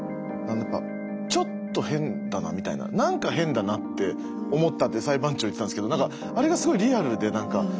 ちょっと変だなみたいな何か変だなって思ったって裁判長言ってたんですけどあれがすごいリアルでなんか。